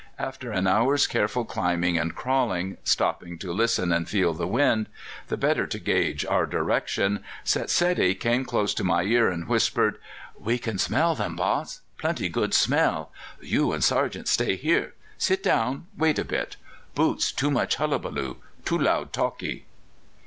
After an hour's careful climbing and crawling, stopping to listen and feel the wind, the better to gauge our direction, Setsedi came close to my ear and whispered: "'We can smell them, Baas; plenty good smell. You and sergeant stay here; sit down, wait a bit; boots too much hullabaloo; too loud talkee!